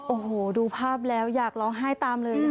โอ้โหดูภาพแล้วอยากร้องไห้ตามเลย